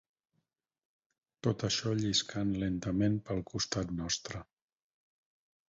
Tot això lliscant lentament pel costat nostre